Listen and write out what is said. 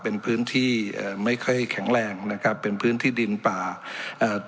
เป็นพื้นที่เอ่อไม่ค่อยแข็งแรงนะครับเป็นพื้นที่ดินป่าเอ่อ